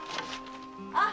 あっ！